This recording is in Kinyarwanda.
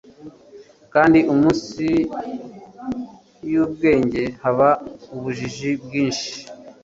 Kandi munsi yubwenge; haba ubujiji bwinshi